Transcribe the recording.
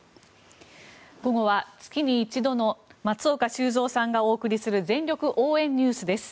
午後は、月に一度の松岡修造さんがお送りする全力応援ＮＥＷＳです。